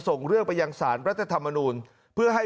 ส่งเรื่องไปยังสารรัฐธรรมนูลเพื่อให้